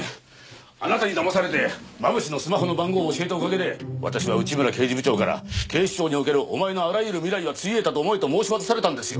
あなたにだまされて真渕のスマホの番号を教えたおかげで私は内村刑事部長から警視庁におけるお前のあらゆる未来はついえたと思えと申し渡されたんですよ！